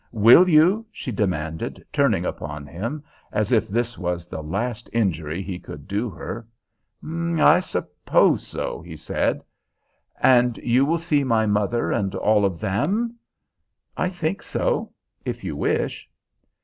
"Will you?" she demanded, turning upon him as if this was the last injury he could do her. "I suppose so," he said. "And you will see my mother, and all of them?" "I think so if you wish."